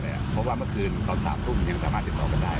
เพราะว่าเมื่อคืนตอน๓ทุ่มยังสามารถติดต่อกันได้